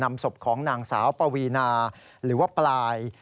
นำศพของนางสาวปวีนาหรือว่าปลาย